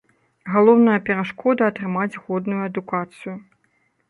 Галоўная перашкода атрымаць годную адукацыю.